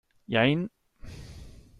Jein.